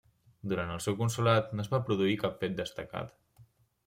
Durant el seu consolat no es va produir cap fet destacat.